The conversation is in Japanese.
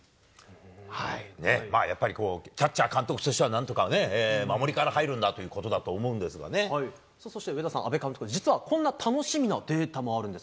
やっぱりこう、キャッチャー監督としては、なんとかね、守りから入るんだとそして上田さん、阿部監督、実はこんな楽しみなデータもあるんです。